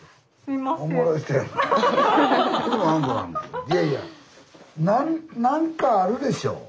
いやいやな何かあるでしょう？